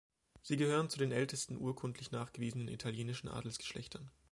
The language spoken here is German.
Sie gehören zu den ältesten urkundlich nachgewiesenen italienischen Adelsgeschlechtern.